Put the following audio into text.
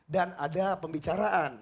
dan ada pembicaraan